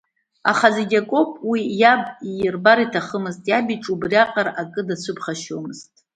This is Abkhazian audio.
Аха зегь акоуп, уи иаб иирбар иҭахымызт, иаб иҿы убриаҟара акы дацәыԥхашьомызт.